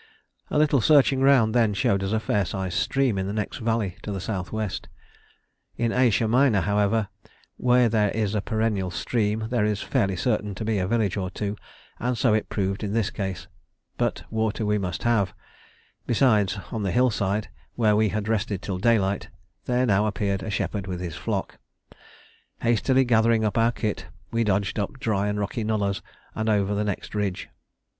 A little searching round then showed us a fair sized stream in the next valley to the south west: in Asia Minor, however, where there is a perennial stream, there is fairly certain to be a village or two, and so it proved in this case; but water we must have; besides, on the hillside, where we had rested till daylight, there now appeared a shepherd with his flock. Hastily gathering up our kit, we dodged up dry and rocky nullahs and over the next ridge.